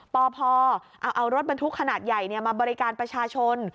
ปพเอารถบรรทุกขนาดใหญ่มาบริการประชาชน